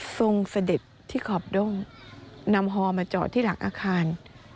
ทรงสเด็จที่ขอบดงนำห่อมาจอดที่หลักอาคาร